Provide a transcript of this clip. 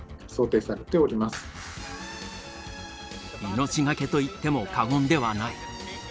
命がけと言っても過言ではない。